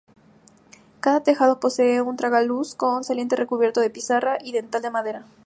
Cada tejado posee un tragaluz con saliente recubierto de pizarra y dintel de madera.